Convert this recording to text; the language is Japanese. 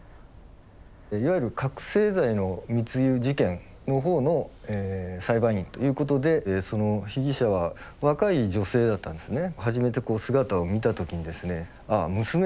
いわゆる覚醒剤の密輸事件の方の裁判員ということでその被疑者は若い女性だったんですね。